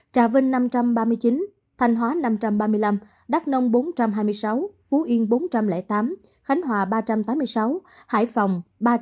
trà vinh một năm trăm ba mươi chín thanh hóa một năm trăm ba mươi năm đắk nông một bốn trăm hai mươi sáu phú yên một bốn trăm linh tám khánh hòa một ba trăm tám mươi sáu hải phòng một ba trăm sáu mươi năm